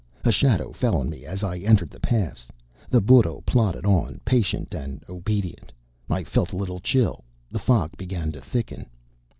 A shadow fell on me as I entered the Pass. The burro plodded on, patient and obedient. I felt a little chill; the fog began to thicken.